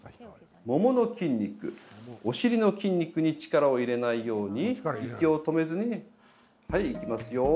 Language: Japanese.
ももの筋肉、お尻の筋肉に力を入れないように息を止めずにはい、いきますよ。